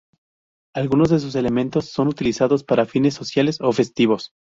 Algunos de sus elementos son utilizados para fines sociales o festivos.